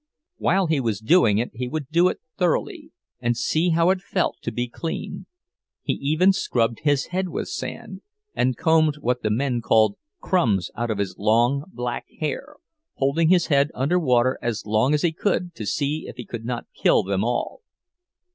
While he was doing it he would do it thoroughly, and see how it felt to be clean. He even scrubbed his head with sand, and combed what the men called "crumbs" out of his long, black hair, holding his head under water as long as he could, to see if he could not kill them all.